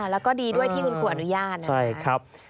แล้วก็ดีด้วยที่คุณผู้อนุญาต